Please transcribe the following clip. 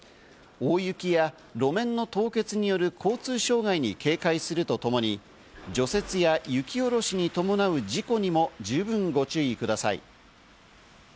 大雪や路面の凍結による交通障害に警戒するとともに、除雪や雪おろしに伴う事故にも十分ご注意ください。